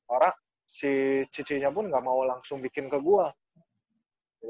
orang si cicinya pun gak mau langsung bikin ke gue